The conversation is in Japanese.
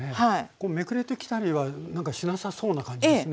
こうめくれてきたりはしなさそうな感じですね。